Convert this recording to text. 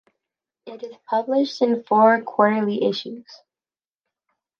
It is published in four quarterly issues.